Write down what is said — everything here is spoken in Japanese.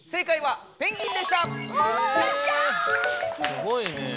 すごいねえ。